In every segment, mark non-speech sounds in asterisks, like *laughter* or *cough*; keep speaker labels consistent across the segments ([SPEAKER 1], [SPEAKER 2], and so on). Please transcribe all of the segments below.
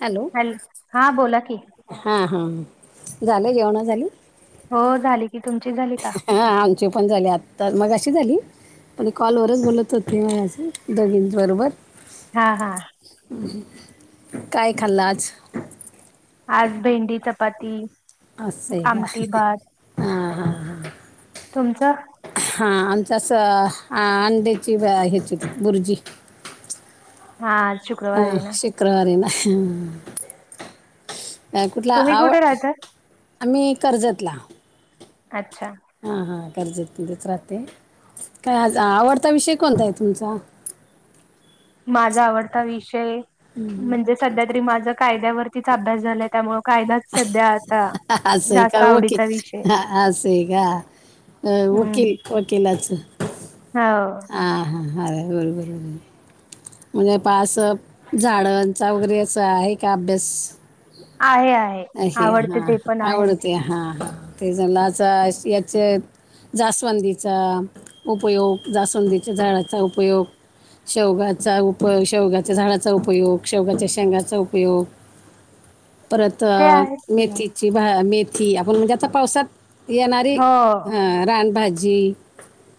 [SPEAKER 1] Hello.
[SPEAKER 2] Hello हां बोला की.
[SPEAKER 1] हा हा झालं जेवणा झाली.
[SPEAKER 2] हो झाली की तुमचीच झाली. का
[SPEAKER 1] हा आमचे पण झाले आता मग अशी झाली. मण कॉलवररच बोलत होते मा असं दघिं बरोबर.
[SPEAKER 2] हां हां.
[SPEAKER 1] काय खाल्ला आज.
[SPEAKER 2] आज भेंडी चपाती.
[SPEAKER 1] ह सय
[SPEAKER 2] आमटी
[SPEAKER 1] ग
[SPEAKER 2] भात
[SPEAKER 1] हा हा.
[SPEAKER 2] तुमचं.
[SPEAKER 1] हा आमच्या स अंड्याची ह्याची बुरजी.
[SPEAKER 2] हा शुक्रवार
[SPEAKER 1] हा
[SPEAKER 2] आहे ना
[SPEAKER 1] शुक्रवारी ना कुठला
[SPEAKER 2] तुम्ही
[SPEAKER 1] आव
[SPEAKER 2] कुठे राहता
[SPEAKER 1] आम्ही कर्जतला
[SPEAKER 2] अच्छा
[SPEAKER 1] हा हा गरजेेत म्ह तेेच राहते काय आवडता विषय कोणता आहे तुमचा
[SPEAKER 2] माझा आवडता विषय म्हणजे सध्या तरी माझ कायद्यावरतीच अभ्यास झालाय त्यामु कायदाच सध्या आता
[SPEAKER 1] हा
[SPEAKER 2] जास्त
[SPEAKER 1] का ओके
[SPEAKER 2] आवडीचा विषय
[SPEAKER 1] हा स का ओके
[SPEAKER 2] हम्म
[SPEAKER 1] ओकेलाच
[SPEAKER 2] हो
[SPEAKER 1] ह हां ह अे बर बर म्हणजे पासप झाडांचा वगैरे असं आहे का अभ्यास
[SPEAKER 2] आहे आहे
[SPEAKER 1] अशे
[SPEAKER 2] आवडते
[SPEAKER 1] हा
[SPEAKER 2] ते पण आहे
[SPEAKER 1] आवडते हा ते जलाचा याचे जास्वंदीचा उपयोग जास्वंदीचा त्याच्या झाडाचा उपयोग शौगात उप शेवगाच्या झाडाचा उपयोग शेवगाच्या शेंगाचा उपयोग परत
[SPEAKER 2] ते आहेत की
[SPEAKER 1] मेथीची मेथी आपण म्हणजे आता पावसात येणारी
[SPEAKER 2] हो
[SPEAKER 1] अ रानभजी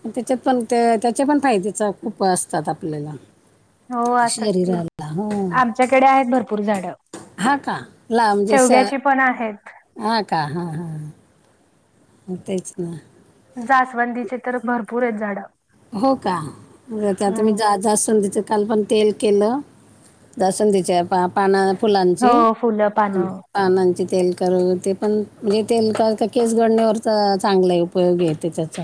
[SPEAKER 1] त्याच्यात पण त्या त्याच्या पण फायद्याच खूप असतात आपल्याला
[SPEAKER 2] हो असं त
[SPEAKER 1] शरीराला हा
[SPEAKER 2] आमच्याकडे आहेत भरपूर झाडं
[SPEAKER 1] हा का ला म्हणजे स
[SPEAKER 2] शेवग्याची पण आहेत
[SPEAKER 1] हा का हा हा होतच ना
[SPEAKER 2] जासवंदीचे तर भरपूर आहेत झाडं
[SPEAKER 1] हो काे मी
[SPEAKER 2] हम्म
[SPEAKER 1] जा जास्त संधी काल पण तेल केलं दसण तच्या पा पाना फुलांची
[SPEAKER 2] हो फुलं
[SPEAKER 1] ह
[SPEAKER 2] पानं.
[SPEAKER 1] पानांचे तेल कर ते पण म्हणजे तेल केस गडण्यावर तर चांगलं आहे उपयोगी येते त्याचा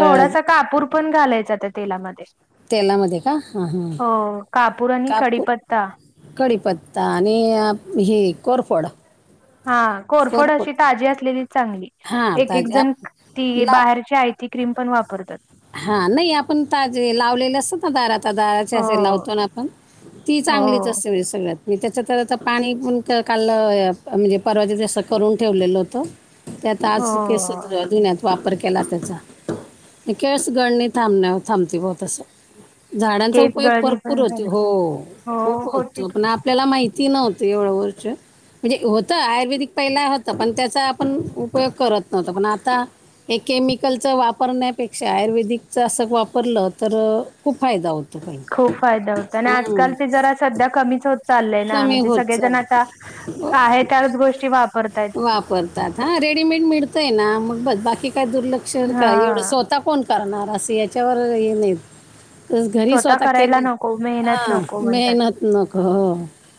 [SPEAKER 2] थोडासा कापूर पण घालायचा त्या तेलामध्ये
[SPEAKER 1] तेलामध्ये का हां हां
[SPEAKER 2] हो कापूर आणि खडीपत्ता
[SPEAKER 1] कडीीपत्ता आणि ही कोरफड
[SPEAKER 2] हा कोरफड अशी ताजी असलेली चांगली
[SPEAKER 1] हां
[SPEAKER 2] एक एक
[SPEAKER 1] ताजे आप
[SPEAKER 2] जण ती बाहेरची आहे ती क्रीम पण वापरतात
[SPEAKER 1] हा नाही आपण ताजे लावलेले असतात ना दारात दाराचे
[SPEAKER 2] हो
[SPEAKER 1] असे लावतो ना आपण ती चांगलीच
[SPEAKER 2] हो.
[SPEAKER 1] असते नाही सगळ्यात आणि त्याच्या तर आता पाणी पण काल म्हणजे परवा तसं करून ठेवलेलं होतं त्यात
[SPEAKER 2] हो
[SPEAKER 1] आज केस जुन्यात वापर केला त्याचा केस गडणी थांण्या थांबती बो तसे झाडांचा
[SPEAKER 2] केस
[SPEAKER 1] उपयोग
[SPEAKER 2] गळणी
[SPEAKER 1] भरपूर
[SPEAKER 2] पण
[SPEAKER 1] होत
[SPEAKER 2] झाली.
[SPEAKER 1] हो
[SPEAKER 2] हो
[SPEAKER 1] खप होत
[SPEAKER 2] होती की.
[SPEAKER 1] पण आपल्याला माहिती ति नव होत एवढं वरच म्हणजे होतं आयुर्वेदिक पहिला होता पण त्याचा आपण उपयोग करत नव्हता पण आता हे केमिकलचं वापरण्यात पेक्षा आयुर्वेदिकचा असं वापरलं तर खूप फायदा होताो
[SPEAKER 2] खूप फायदा होत आणि आजकाल ते जरा सध्या कमीच हो चाललंय ना
[SPEAKER 1] कमी
[SPEAKER 2] म्हणजे
[SPEAKER 1] होत
[SPEAKER 2] सगळेजण
[SPEAKER 1] चाललं
[SPEAKER 2] आता आहे त्याच गोष्टी वापरताय
[SPEAKER 1] तात हा रेडीमेड मिळतय ना मग ब बाकी काय दुर्लक्ष कावढ
[SPEAKER 2] हा.
[SPEAKER 1] स्वतः कोण करणार असं याच्यावर ये नाहीत तस घरी स्वतः
[SPEAKER 2] करायला
[SPEAKER 1] केले
[SPEAKER 2] नको मेहनत
[SPEAKER 1] हा
[SPEAKER 2] नको म्हणतात.
[SPEAKER 1] मेहनत नक हो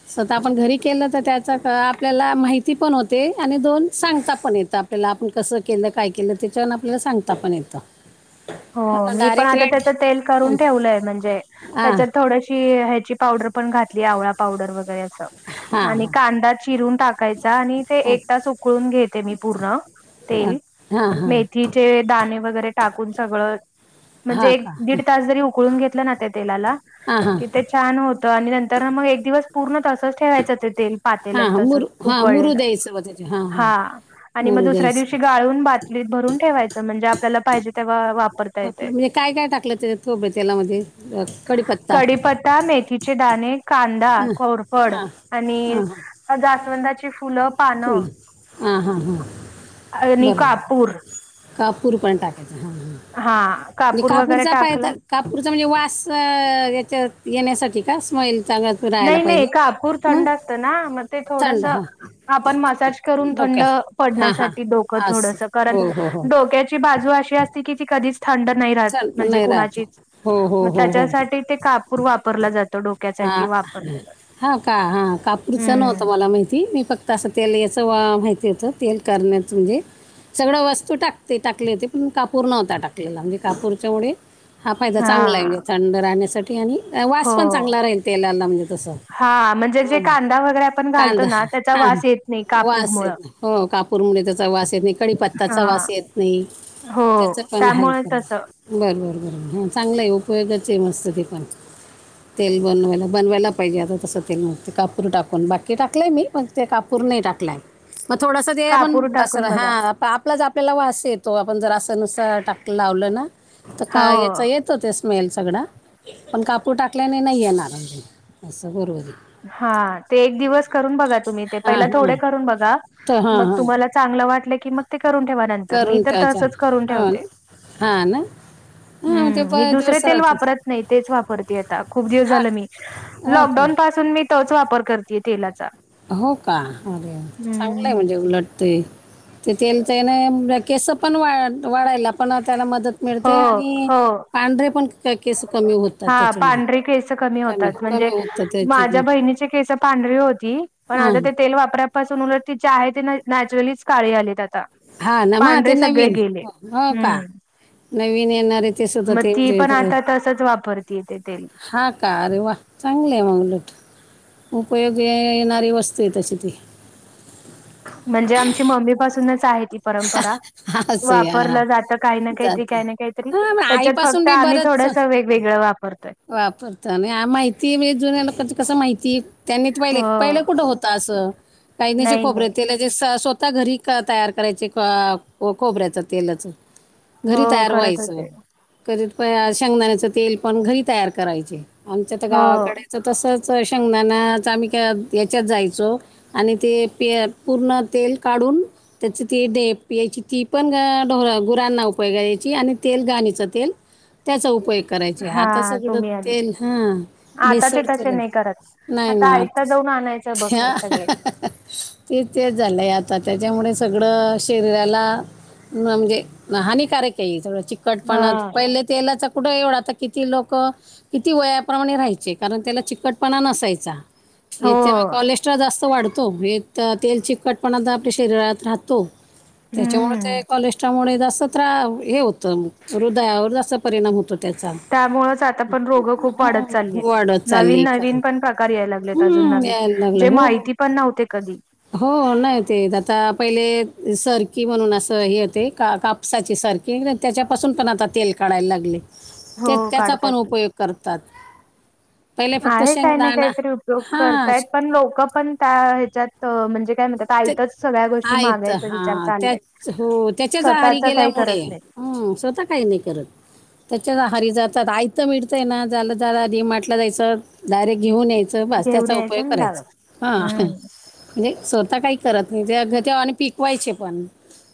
[SPEAKER 1] स्वतः आपण घरी केलं तर त्याचा आपल्याला माहिती पण होते आणि दोन सांगता पण येत आपल्याला आपण कसं केलं काय केलं त्याच्याण आपल्याला सांगता पण येतं
[SPEAKER 2] हो
[SPEAKER 1] मला
[SPEAKER 2] मी पण
[SPEAKER 1] डायरेक्ट
[SPEAKER 2] आता
[SPEAKER 1] रेट
[SPEAKER 2] त्याच तेल करून ठेवलंय म्हणजे
[SPEAKER 1] हां
[SPEAKER 2] त्याच्यात थोडशी ह्याची पावडर पण घातली आवळा पावडर वगैरे
[SPEAKER 1] हां
[SPEAKER 2] आणि कांदा चिरून टाकायचा आणि ते
[SPEAKER 1] हां
[SPEAKER 2] एक तास उकळून घेते मी पूर्ण तेल
[SPEAKER 1] अ
[SPEAKER 2] मेथीचे दाणे वगैरे टाकून सगळं
[SPEAKER 1] हां
[SPEAKER 2] म्हणजे एक
[SPEAKER 1] का
[SPEAKER 2] दीड तास जरी उकळून घेतलं ना त्या तेलाला
[SPEAKER 1] आ हां
[SPEAKER 2] कि ते छान होत आणि नंतर मग एक दिवस पूर्ण तसच ठेवायचं ते तेल पातेला
[SPEAKER 1] हां हां
[SPEAKER 2] तसच
[SPEAKER 1] मुरू हां मुरू
[SPEAKER 2] उकळलेलं
[SPEAKER 1] द्यायचं बघ त्याचे हां
[SPEAKER 2] हा
[SPEAKER 1] हां
[SPEAKER 2] आणि मग
[SPEAKER 1] मोरू
[SPEAKER 2] दुसऱ्या
[SPEAKER 1] द्यायचं
[SPEAKER 2] दिवशी गाळून बात भरून ठेवायचं म्हणजे आपल्याला पाहिजे तेव्हा वापरता येते.
[SPEAKER 1] आपलं म्हणजे काय काय टाकलं ते खोबर तेलामध्ये कडीपत्ता
[SPEAKER 2] पत्ता मेथी चे दणे कांदा
[SPEAKER 1] हां
[SPEAKER 2] कोरपड
[SPEAKER 1] हां
[SPEAKER 2] आणि
[SPEAKER 1] हां हां
[SPEAKER 2] जावंदाची फुलं पान
[SPEAKER 1] फुलं हां हां हां
[SPEAKER 2] आणि कापूर
[SPEAKER 1] कपूर पण टाकच हां हां
[SPEAKER 2] हा
[SPEAKER 1] म्हणजे
[SPEAKER 2] कापूर वगैरे
[SPEAKER 1] कापूरचा पायदा
[SPEAKER 2] टाकला
[SPEAKER 1] कापूरचा म्हणजे वास याच्यात येण्यासाठी का स्मेल चागत
[SPEAKER 2] नाही नाही कापूर थंड असतं ना मग ते
[SPEAKER 1] थंड
[SPEAKER 2] थोडस
[SPEAKER 1] हां
[SPEAKER 2] आपण मसाज करून थंड
[SPEAKER 1] डोक्याला हां हां
[SPEAKER 2] पडण्यासाठी डोकं
[SPEAKER 1] असे
[SPEAKER 2] थोडस कारण
[SPEAKER 1] हो हो हो
[SPEAKER 2] डोक्याची बाजू अशी असती की ती कधीच थंड नाही राहत
[SPEAKER 1] थंड
[SPEAKER 2] म्हणजे
[SPEAKER 1] नाही राहत
[SPEAKER 2] कुणाची
[SPEAKER 1] हो हो
[SPEAKER 2] मग
[SPEAKER 1] हो हो
[SPEAKER 2] त्याच्यासाठी ते कापूर वापरलं जातो डोक्यासाठी
[SPEAKER 1] हां
[SPEAKER 2] वापरला जातो.
[SPEAKER 1] हा का हा कापूरच नवत
[SPEAKER 2] हम्म.
[SPEAKER 1] मला माहि मी फक्त अस तेल याच माहिती होत तेल करण्यात म्हणजे सगळं वस्तू टाकते टाकली हो ते पण कापूर नव्हता टाकलेला कापूरच्यामुळे हा फायदा चांगला आहेजे थंड राहण्यासाठी आणि वास
[SPEAKER 2] हो.
[SPEAKER 1] पण चांगला राहील तेलाला म्हणजे तसं
[SPEAKER 2] हा म्हणजे जे
[SPEAKER 1] हां
[SPEAKER 2] कांदा वगैरे आपण घालतो
[SPEAKER 1] कांदा
[SPEAKER 2] ना त्याचा
[SPEAKER 1] हां
[SPEAKER 2] वास येत नाही कापूर
[SPEAKER 1] वास
[SPEAKER 2] मुळ
[SPEAKER 1] येत नाही हो कापूरमुळे त्याचा वास येत नाही कडीपत्ताचा
[SPEAKER 2] हा.
[SPEAKER 1] वास येत नाही
[SPEAKER 2] हो
[SPEAKER 1] त्याच पण हा
[SPEAKER 2] त्यामुळे
[SPEAKER 1] कर
[SPEAKER 2] तसं
[SPEAKER 1] बरं बर बरबर हा चांगलं आहे उपयोगाची आहे मस्त ते पण तेल बनवायला बनवायला पाहिजे आता तसं तेल नते कापूर टाकून बाकी टाकलं आहे मी पण ते कापूर नाही टाकलं आहे मग थोडंसं ते आपण
[SPEAKER 2] कापूर
[SPEAKER 1] बसर
[SPEAKER 2] टाकून बघा.
[SPEAKER 1] हां आप आपलाच आपल्याला वास येतो आपण जर असं नुस टाक लावलं ना तर काय याच
[SPEAKER 2] हो
[SPEAKER 1] येत त ते स्मेल सगळां पण कापू टाकल्याने नाही येणार असं बरोबर आहे
[SPEAKER 2] हा ते एक दिवस करून बघा तुम्ही ते
[SPEAKER 1] आहे
[SPEAKER 2] पहिले
[SPEAKER 1] हां
[SPEAKER 2] थोडे
[SPEAKER 1] हां
[SPEAKER 2] करून बघा
[SPEAKER 1] तर हां
[SPEAKER 2] मग
[SPEAKER 1] हां
[SPEAKER 2] तुम्हाला चांगलं वाटलं की मग ते करून ठेवा नंतर मी
[SPEAKER 1] करून
[SPEAKER 2] तर
[SPEAKER 1] त्याच्या
[SPEAKER 2] तसच करून
[SPEAKER 1] हो
[SPEAKER 2] ठेवते
[SPEAKER 1] ना हां ना
[SPEAKER 2] ह
[SPEAKER 1] हां ते प
[SPEAKER 2] मी दुसर
[SPEAKER 1] दिवस
[SPEAKER 2] तेल
[SPEAKER 1] राहतो
[SPEAKER 2] वापरत नाही तेच वापरते आता खूप दिवस
[SPEAKER 1] हां
[SPEAKER 2] झालं मी
[SPEAKER 1] हो का
[SPEAKER 2] लॉकडाऊन पासून मी तोच वापर करतेय तेलाचा
[SPEAKER 1] हो का अरे चांगलंय
[SPEAKER 2] हम्म
[SPEAKER 1] म्हणजे उलट ते तेथ त्याने केसं पण वा वाढायला पण त्याला मदत
[SPEAKER 2] हो
[SPEAKER 1] मिळते आणि
[SPEAKER 2] हो
[SPEAKER 1] पांढरे पण केस कमी होतात त्याच्याने
[SPEAKER 2] होत
[SPEAKER 1] कमी कमी
[SPEAKER 2] म्हणजे
[SPEAKER 1] होतात त्याच्याने
[SPEAKER 2] माझ्या बहिणीची केस पांढरी पण
[SPEAKER 1] हां
[SPEAKER 2] आता ते तेल वापरापासून उलट त जे आहे ते नॅचरलीच काळी आलीत आता
[SPEAKER 1] हा ना म ते
[SPEAKER 2] पांढरे सगळे
[SPEAKER 1] नवीन
[SPEAKER 2] गेले
[SPEAKER 1] हो का
[SPEAKER 2] हम्म
[SPEAKER 1] नवीन येणारे ते सुद्धा
[SPEAKER 2] मग
[SPEAKER 1] ते
[SPEAKER 2] ती
[SPEAKER 1] जे
[SPEAKER 2] पण
[SPEAKER 1] येत आहे
[SPEAKER 2] आता त तंच वापरतीय तेे तेल
[SPEAKER 1] हा कार रे वा चांगले आहे म्हगलोत उपयोग येणारी वस्तू आहे तशी ती
[SPEAKER 2] म्हणजे आमची मम्मीपासूनच आहे ती
[SPEAKER 1] असं आहे, हा
[SPEAKER 2] वापरलं जात काही काहीतरी
[SPEAKER 1] जात
[SPEAKER 2] काही ना काहीतरी
[SPEAKER 1] हा मग
[SPEAKER 2] त्याच्यात
[SPEAKER 1] आईपासून
[SPEAKER 2] फक्त आम्ही थोडसं वे वेगळं वापरतयात
[SPEAKER 1] वापरता आणि माहिती म्हणजे जुन्या ल कस माहिती त्यांनी पहिले
[SPEAKER 2] हो
[SPEAKER 1] पहिलं कुठं होता असं काहीनी ज
[SPEAKER 2] नाही
[SPEAKER 1] खोबरे
[SPEAKER 2] नाही
[SPEAKER 1] े स्वतः घरी तयार करायचे खोबऱ्याच तेलाच घरी
[SPEAKER 2] हो
[SPEAKER 1] तयार
[SPEAKER 2] करत
[SPEAKER 1] व्हायचं
[SPEAKER 2] होते
[SPEAKER 1] कधी शेंगदाण्याच तेल पण घरी तयार करायचे आमच्या तर
[SPEAKER 2] हो
[SPEAKER 1] गावाकडेच तसच स शंगनानाच आम्ही का याच्यात जायचो आणि ते प पूर्ण तेल काढून त्याची ती डेप यायची ती पणढ गुरांना उपयोग क यायची आणि तेल घाणीचं तेल त्याचा उपयोग करायचे
[SPEAKER 2] हा
[SPEAKER 1] आता सगळं
[SPEAKER 2] तुम्ही आधी
[SPEAKER 1] तेल हा
[SPEAKER 2] आताचे
[SPEAKER 1] भेसड
[SPEAKER 2] तसे
[SPEAKER 1] तेल
[SPEAKER 2] नाही करत.
[SPEAKER 1] नाही
[SPEAKER 2] आता
[SPEAKER 1] ना
[SPEAKER 2] आयता जाऊन आणायचं बघतात
[SPEAKER 1] आ
[SPEAKER 2] सगळे.
[SPEAKER 1] ते तेच झालंय आता त्याच्यामुळे सगळं शरीराला म्हणजे हानिकारक आहे थडं चिकटपणात
[SPEAKER 2] हा.
[SPEAKER 1] पहिले तेलाच कुठं एवढं आता कि लोक किती वयाप्रमाणे राहायचे कारण त्याला चिकटपणा नसाायचा
[SPEAKER 2] हो
[SPEAKER 1] याच्यामुळे कॉलेस्ट्रॉल जास्त वाढतो हे तर तेल चकटपणा आता आपल्या शरीरात राहतो त्याच्यामुळेळ
[SPEAKER 2] हम्म
[SPEAKER 1] ते कॉलेस्ट्रॉलमुळे जा असतं त्र हे होतं हृदयावर जाा परिणाम होतो त्याचा
[SPEAKER 2] *unintelligible* ण रोग खूप वाढत
[SPEAKER 1] हम्म,
[SPEAKER 2] चा न
[SPEAKER 1] वाढत चालली
[SPEAKER 2] नन
[SPEAKER 1] खरे
[SPEAKER 2] पण प्रकार लाग अज
[SPEAKER 1] हम्म यायला लागलं
[SPEAKER 2] न
[SPEAKER 1] हो
[SPEAKER 2] माहिती पण नव्हते कधी
[SPEAKER 1] हो नाही ते आता पहिले सरकी म्हणून असं हे होते का का साची सारखी त्याच्यापासून पण आता तेल काढायला लागले ते
[SPEAKER 2] हो
[SPEAKER 1] त्याचा
[SPEAKER 2] काढतात
[SPEAKER 1] पण
[SPEAKER 2] की
[SPEAKER 1] उपयोग करतात पहिले फक्त
[SPEAKER 2] आहे काही ना
[SPEAKER 1] शेंगदाणा
[SPEAKER 2] काहीतरी उपयोग
[SPEAKER 1] हां
[SPEAKER 2] करतायत पण लोक पण त्या ह्याच्यात तर म्हणजे काय म्हणतात आता
[SPEAKER 1] ते
[SPEAKER 2] आईतच सगळ्या गोष्टी
[SPEAKER 1] आहेत
[SPEAKER 2] मागायचा विचार
[SPEAKER 1] हां
[SPEAKER 2] चालल्या
[SPEAKER 1] त्याच हो त्याच्याच आहारी गेल्यामुळे हम स्वतः काही नाही करत त्याच्याच आहारी जात यचं मिळतय ना झालं जला म्हटलं जायचं डायरेक्ट घेऊन यायच ब
[SPEAKER 2] घेऊन
[SPEAKER 1] त्याचा
[SPEAKER 2] यायचं
[SPEAKER 1] उपयोग
[SPEAKER 2] आणि लावायचं.
[SPEAKER 1] करायचा हा
[SPEAKER 2] हम्म
[SPEAKER 1] म्हणजे स्वतः काही करत नाही ते अ ते्हा आणि पिकवायचे पण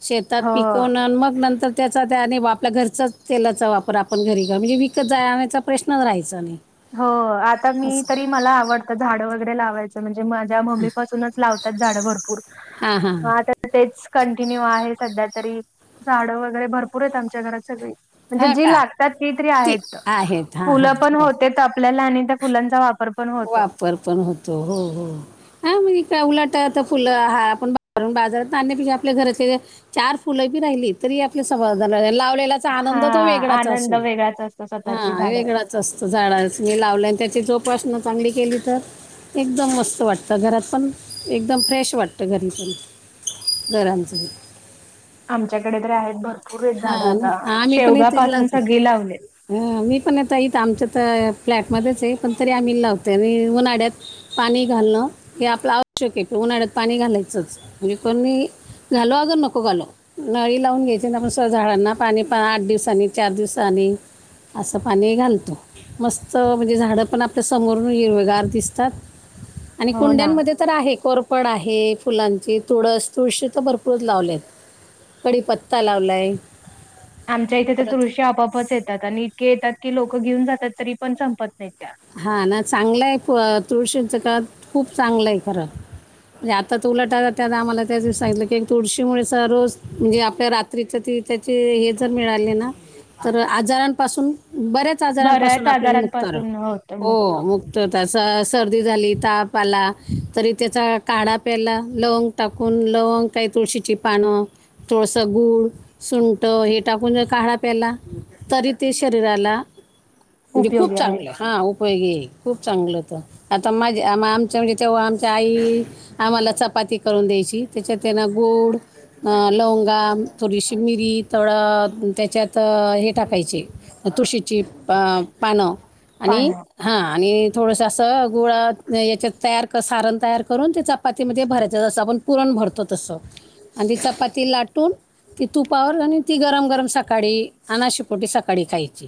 [SPEAKER 1] शेतात
[SPEAKER 2] हो.
[SPEAKER 1] पिकवून मग नंतर त्याचा त्याने आपल्या घरचाच तेलाचा वापर आपण घरी क म्हणजे विकत जाण्याचा प्रश्न राहायचा नाही
[SPEAKER 2] हो आता मी
[SPEAKER 1] असं
[SPEAKER 2] तरी मला आवडतं झाड वगैरे लावायच भ
[SPEAKER 1] हां हां
[SPEAKER 2] तर तेच कंटिन्यू आहे सध्या तरी झाडं वगैरे भरपूर आहेत आमच्या घरात सगळी म्हणजे
[SPEAKER 1] हां
[SPEAKER 2] जी
[SPEAKER 1] का
[SPEAKER 2] लागतात ती तरी आहेत
[SPEAKER 1] आहेत हां हां
[SPEAKER 2] फुलं पण होत
[SPEAKER 1] बरं
[SPEAKER 2] आपल्याला आणि त्या फुलांचा वापर पण होतो
[SPEAKER 1] पर पण होतो हो हो हा म्हणजे काय उलट आता फुलं हा आपणरून बाजारात आणण्यापेक्षा आपल्या घरचे चार फुलं बी राहिली तरी आपल्या समा लावलेला
[SPEAKER 2] हा
[SPEAKER 1] आनंद तो वेगळाच
[SPEAKER 2] आनंद
[SPEAKER 1] असून
[SPEAKER 2] वेगळाच असतो स्वतःची
[SPEAKER 1] हा
[SPEAKER 2] झाडं.
[SPEAKER 1] वेगळा स्त झाडाच मी लावलं आणि त्याची जोपासन चांगली केली तर एकदम मस्त वाटतं घरात पण एकदम फ्रेश वाटतं घरी पण दरामजी
[SPEAKER 2] आमच्याकडे तररी आहेत भरपूर आहेत झाड
[SPEAKER 1] हां ना
[SPEAKER 2] आता शेवगा पासून सगळी लावलीत
[SPEAKER 1] ह मी पण यता इथ आमच्या तर फ्लॅटमध्येध्येच आहे पण तरी आम्ही लावतो उन्हाळ्यात पाणी घालणं हे आपलं आवश्यक आहे की उन्हाळ्यात पाणी घालायचंच म्हणजे कोी घालो अगर नको घालो नळी लावून घ्यायची ना आपण तर झाडांना पाणी प आठ दिवसानी चार दिवसानी असं पाणी घालतो मस्त म्हणजे झाड पण आपल्या समोर हरवेगार दिसतात आणि
[SPEAKER 2] हो ना.
[SPEAKER 1] कुंड्यांमध्ये तर आहे कोरपड आहे फुलांची तुळस तुळशी तर भरपूरच लावलेत कडीी पत्ता लावलाय
[SPEAKER 2] आमच्या इथे ते दृश्य आपापच येतात आणि इतके येतात की लोकं घेऊन जातात तरी पण संपत नाहीत त्या
[SPEAKER 1] हा ना चांगलंय तुळशीचं का खूप चांगलं आहे खरं म्हणजे आता त उलटा त्या आम्हाला त्या दिवस सांगितलं की एक तुळशीमुळे स रोज म्हणजे आपल्याात त्याचे हे जर मिळाले ना तर आजारांपासून बऱ्याच पा
[SPEAKER 2] बऱ्याच
[SPEAKER 1] आजारांपासून आपल्या मुक्तार
[SPEAKER 2] आजारांपासून होत मुक्त
[SPEAKER 1] होक् त होता सर्दी झाली ताप आला तरी त्याचा काढा प्याला लोंग टाकून लवंग काही तुळशीची पानं तथोळसं गूळ सुंट हे टाकून जर काढळाा प्याला तरी ते शरीराला म्हणजे खूप
[SPEAKER 2] उपयोगी आहे
[SPEAKER 1] चांगलं हा वैगे खूप चांगलं होतं आता माझे आम आमच्यां म्हणजे तेव्हा आमच्या आई आम्हाला चपाती करून द्यायची त्याच्यात त्यांना गोड लवंगा थोडीशी मिरी थोडं त्याच्यात हे टाकायचे तुळशीची पानं आणि
[SPEAKER 2] पानं
[SPEAKER 1] हा आणि थोडस असं गुळा याच्या तयार सारण तयार करून त्याचा चपातीमध्ये भरायचसं आपण पुरण भरतो तसं आणि त चपाती लाटून ती तुपावर आणि आणि ती गरम गरम सकाळी अनाशिपोटी सकाळी खायची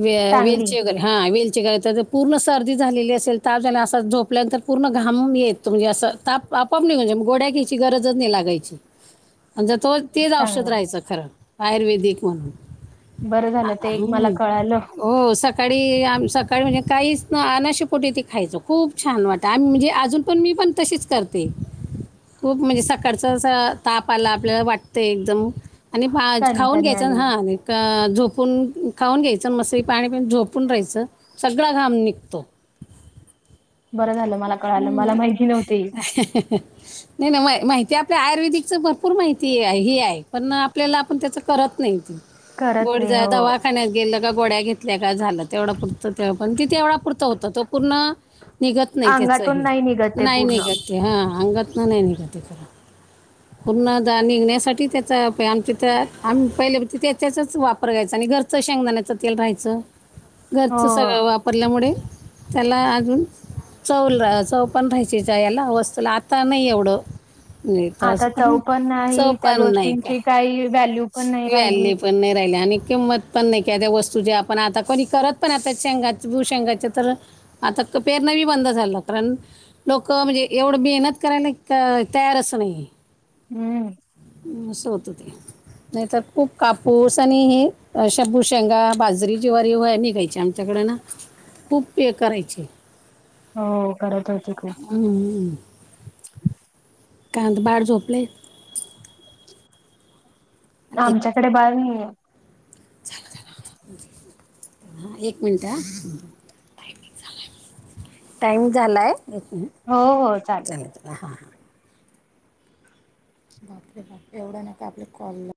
[SPEAKER 1] व
[SPEAKER 2] चांगली
[SPEAKER 1] वेलचे वगैरे हा वेल ची काय त्या पूर्ण सर्दी झालेली असेल ताप झा असा झोपल्यानंतर पूर्ण घाम येत म्हणजे असं ताप आपाप म्हणजे गोड्या घ्यायची गरजच नाही लागायची आणिंत तो तेच औषध
[SPEAKER 2] चांगलं
[SPEAKER 1] राहायचं खरं आयुर्वेदिक म्हणून
[SPEAKER 2] बरं झालं
[SPEAKER 1] आ-
[SPEAKER 2] ते एक मला
[SPEAKER 1] हं.
[SPEAKER 2] कळालं
[SPEAKER 1] हो सकाळी आम सका काय म्हणजे काहीच ना अनाशेपोटे तेे खायचो खूप छान वाटतं आमही म्हणजे अजून पण मी पण तशीच करतो ते खूप म्हणजे सकाळचा ताप आला आपल्याला वाटत एकदम आणि बा खाऊन
[SPEAKER 2] कानकानी
[SPEAKER 1] घ्यायचं
[SPEAKER 2] आली
[SPEAKER 1] हा क झोपून खाऊन घ्यायचं मसरी पाणी पि झोपून राहायचं सगळां घाम निघतो
[SPEAKER 2] बरं झालं मला कळालं
[SPEAKER 1] हम्
[SPEAKER 2] मला माहिती नव्हती
[SPEAKER 1] नाही नाही मा माहिती आपल्या आयुर्वेदिकच भरपूर माहिती हे आहे पण आपल्याला आपण त्याचं करत नाही
[SPEAKER 2] करत
[SPEAKER 1] गोड
[SPEAKER 2] नाही
[SPEAKER 1] जा
[SPEAKER 2] हो
[SPEAKER 1] दवाखान्यात गे गोड्या घेतल्या का झालं तेवढा पुरत पण तेवढा पुरत होत तो पूर्ण निघत नाही
[SPEAKER 2] अंगातून
[SPEAKER 1] त्याचही
[SPEAKER 2] नाही निघत ते
[SPEAKER 1] नाही
[SPEAKER 2] पूर्ण
[SPEAKER 1] नाही का ते हा अंगात ना नाही निघ ते ख पूर्णदा निघण्यासाठी त्याचा प आमच्या त्या आम पहिले त्या त्याचाच वापर घ्यायचा आणि घर च शेंगदाण्याचं तेल राहायचं
[SPEAKER 2] हो
[SPEAKER 1] घरचं सगळं वापरल्यामुळे त्याला अजून चव चव पण राहायची च याला वस्तूला आता नाही एवढं नाही तर
[SPEAKER 2] आता
[SPEAKER 1] असं पण सोपान नाही काय
[SPEAKER 2] का वॅल्यू
[SPEAKER 1] इवल् पण नाही राहिले आणि किंमत पण नाही कद्या वस्तू ज आपण आता कोणी करत पण आता शेंगा भूशेंगाच तर आता पेर नाहीी बंद झाल डॉक्टर लोकं म्हणजे एवढं मेहनत करायला तयारचं नाही
[SPEAKER 2] हम्म
[SPEAKER 1] सोत ते नाहीतर खूप कापूस आणि हे शब्भू शेंगा बाजरी जीवारी व निघायची आमच्या त्याच्याकडे ना खूप पे करायचे
[SPEAKER 2] हो खरात होते खूप
[SPEAKER 1] कायता बाळ झोपले एक
[SPEAKER 2] आमच्याकडे बाहेर नाही
[SPEAKER 1] एक मिनट ह टाईम झालाय
[SPEAKER 2] हो हो चालेल
[SPEAKER 1] चालत हां हां. बाप रे बाप एवढं नका आपले कॉलला.